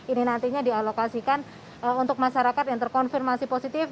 ini nantinya dialokasikan untuk masyarakat yang terkonfirmasi positif